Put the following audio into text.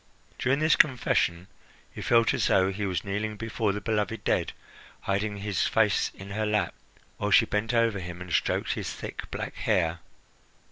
During this confession he felt as though he was kneeling before the beloved dead, hiding his face in her lap, while she bent over him and stroked his thick, black hair.